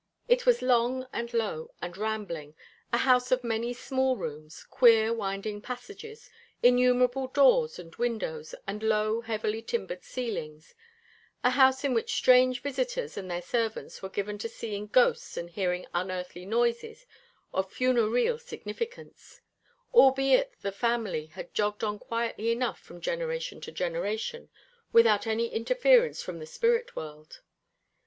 It was long and low and rambling a house of many small rooms, queer winding passages, innumerable doors and windows, and low heavily timbered ceilings; a house in which strange visitors and their servants were given to seeing ghosts and hearing unearthly noises of funereal significance albeit the family had jogged on quietly enough from generation to generation, without any interference from the spirit world.